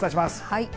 はい。